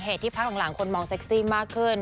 ที่พักหลังคนมองเซ็กซี่มากขึ้น